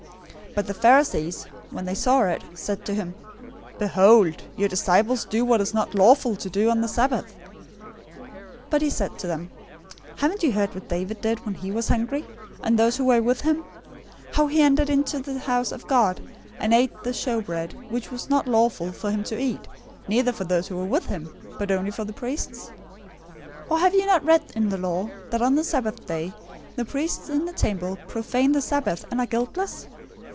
012:002 But the Pharisees, when they saw it, said to him, "Behold, your disciples do what is not lawful to do on the Sabbath." 012:003 But he said to them, "Haven't you read what David did, when he was hungry, and those who were with him; 012:004 how he entered into the house of God, and ate the show bread, which was not lawful for him to eat, neither for those who were with him, but only for the priests?{1 Samuel 21:3 6} 012:005 Or have you not read in the law, that on the Sabbath day, the priests in the temple profane the Sabbath, and are guiltless?